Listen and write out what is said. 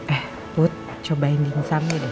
eh put cobain dimsumnya deh